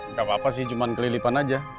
nggak apa apa sih cuma kelilipan aja